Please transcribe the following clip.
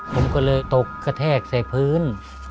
ผมก็เลยตกกระแทกใส่พื้น